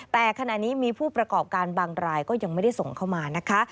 แต่ขณะนี้มีผู้ประกอบการบางรายก็ยังไม่ได้ส่งเข้ามานะคะ